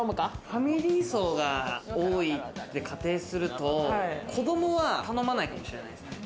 ファミリー層が多いと仮定すると、子供は頼まないかもしれないですね。